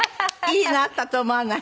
いいのあったと思わない？